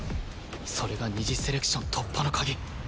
それが二次セレクション突破の鍵